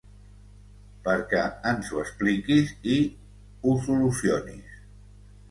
Perquè ens ho expliquis i… ho solucionis.